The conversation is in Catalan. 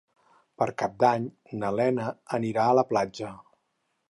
Per Cap d'Any na Lena anirà a la platja.